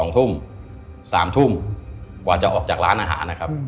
๒ทุ่ม๓ทุ่มจากร้านอาหารนะครับ